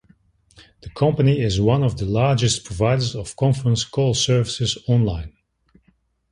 The company is one of the largest providers of conference call services online.